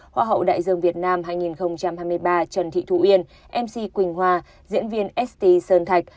hoa hậu đại dương việt nam hai nghìn hai mươi ba trần thị thùy mc quỳnh hòa diễn viên st sơn thạch